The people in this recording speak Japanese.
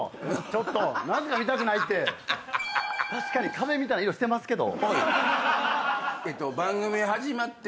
確かに壁みたいな色してますけど。